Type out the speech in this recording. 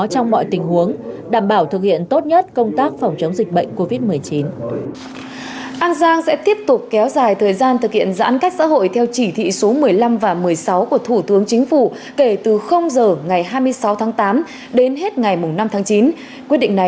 trong mọi tình huống đảm bảo thực hiện tốt nhất công tác phòng chống dịch bệnh